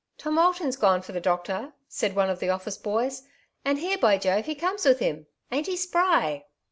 " Tom Alton's gone for the doctor,^' said one of the oflSce boys, '' and here, by Jove, he comes with him. Ain't he spry